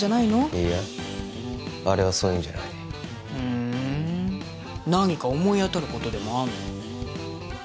いやあれはそういうのじゃないふん何か思い当たることでもあんの？